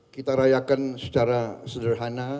kita rayakan secara sederhana